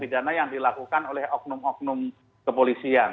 itu adalah kebijakan yang dilakukan oleh oknum oknum kepolisian